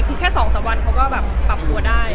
แค่สองสักวันเขาก็แบบปรับหัวได้